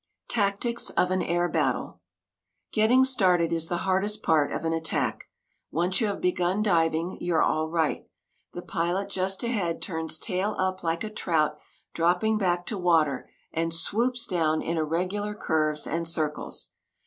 TACTICS OF AN AIR BATTLE Getting started is the hardest part of an attack. Once you have begun diving you're all right. The pilot just ahead turns tail up like a trout dropping back to water, and swoops down in irregular curves and circles.